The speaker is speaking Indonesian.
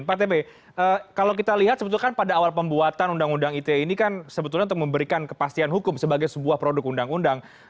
pak tb kalau kita lihat sebetulnya kan pada awal pembuatan undang undang ite ini kan sebetulnya untuk memberikan kepastian hukum sebagai sebuah produk undang undang